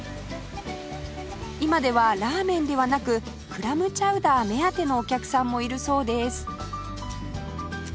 今ではラーメンではなくクラムチャウダー目当てのお客さんもいるそうです